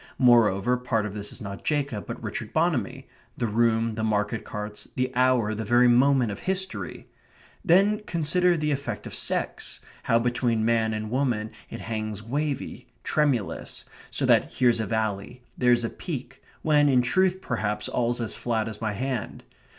Moreover, part of this is not Jacob but Richard Bonamy the room; the market carts; the hour; the very moment of history. Then consider the effect of sex how between man and woman it hangs wavy, tremulous, so that here's a valley, there's a peak, when in truth, perhaps, all's as flat as my hand.